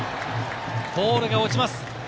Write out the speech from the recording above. ボールが落ちます。